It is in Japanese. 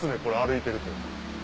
これ歩いてると。